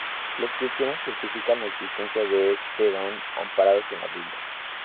Los cristianos justifican la existencia de este don amparados en la Biblia.